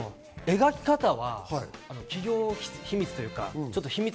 描き方は企業秘密というか。